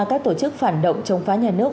các tổ chức phản động chống phá nhà nước